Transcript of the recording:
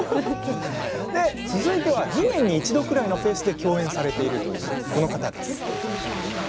続いて２年に一度くらいのペースで共演されているこの方です。